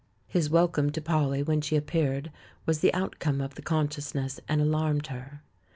His welcome to Polly when she appeared was the outcome of the consciousness and alarmed her.